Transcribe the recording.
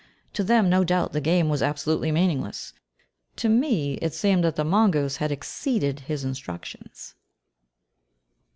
To them, no doubt, the game was absolutely meaningless; to me it seemed that the mongoose had "exceeded his instructions."